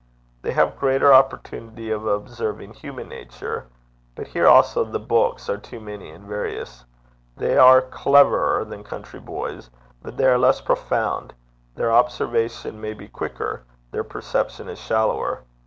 They have greater opportunity of observing human nature; but here also the books are too many and various. They are cleverer than country boys, but they are less profound; their observation may be quicker; their perception is shallower.